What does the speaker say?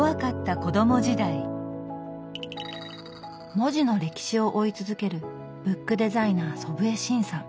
文字の歴史を追い続けるブックデザイナー祖父江慎さん。